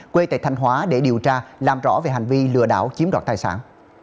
quê tại thanh hóa để điều tra làm rõ về hành vi lừa đảo chiếm đoạt tài sản